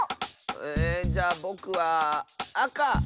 えじゃぼくはあか！